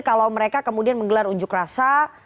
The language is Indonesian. kalau mereka kemudian menggelar unjuk rasa